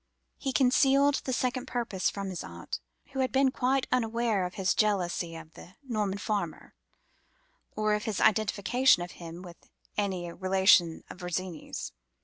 He concealed the second purpose from his aunt, who had been quite unaware of his jealousy of the Norman farmer, or of his identification of him with any relation of Virginie's.